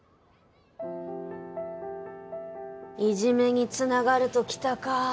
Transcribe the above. いじめに繋がるときたか。